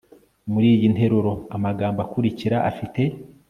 Muri iyi nteruro amagambo akurikira afite